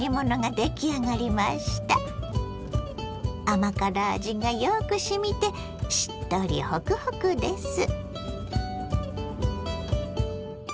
甘辛味がよく染みてしっとりホクホクです。